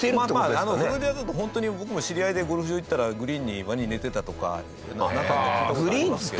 フロリダだとホントに僕も知り合いで「ゴルフ場行ったらグリーンにワニ寝てた」とか何回か聞いた事ありますけど。